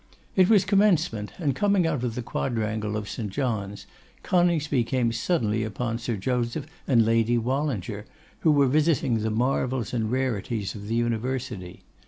It was Commencement, and coming out of the quadrangle of St. John's, Coningsby came suddenly upon Sir Joseph and Lady Wallinger, who were visiting the marvels and rarities of the university.